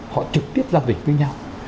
họ trực tiếp giao dịch với nhau